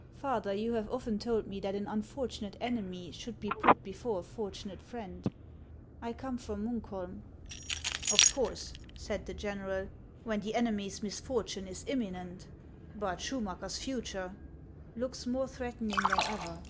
" Father, you have often told me that an unfortunate enemy should be put before a fortunate friend. I come from Munkholm." " Of course," said the general, " when the enemy's mis fortune is imminent. But Schumacker's future —"" Looks more threatening than ever.